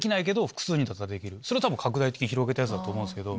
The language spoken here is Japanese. それを多分拡大的に広げたやつだと思うんすけど。